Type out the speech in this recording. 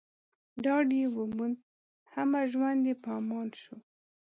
ډاډ يې وموند، همه ژوند يې په امان شو